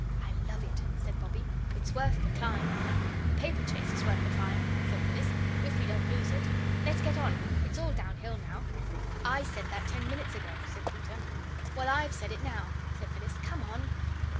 "I love it," said Bobbie; "it's worth the climb." "The paperchase is worth the climb," said Phyllis, "if we don't lose it. Let's get on. It's all down hill now." "I said that ten minutes ago," said Peter. "Well, I'VE said it now," said Phyllis; "come on."